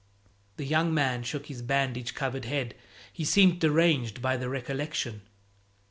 The young man shook his bandage covered head; he seemed deranged by the recollection.